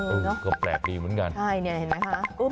อืมเนอะคือแปลกดีเหมือนกันใช่นี่เห็นไหมคะ